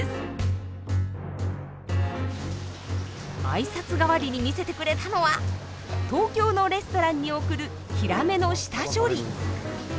挨拶代わりに見せてくれたのは東京のレストランに送るヒラメの下処理。